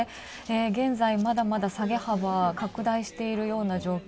現在、まだまだ下げ幅は拡大しているような状況。